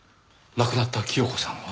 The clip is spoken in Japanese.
亡くなった清子さんが？